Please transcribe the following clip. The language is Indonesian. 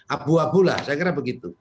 abu abu lah saya kira begitu